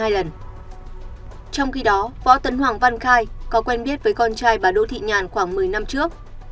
trong khi đó võ tấn hoàng văn khai có quen biết với con trai bà đỗ thị nhàn khoảng một mươi năm trước